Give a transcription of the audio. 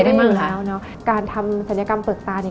ได้มาอยู่แล้วเนอะการทำศัลยกรรมเปลือกตาเนี่ย